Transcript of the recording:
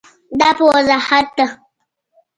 دا په وضاحت ده.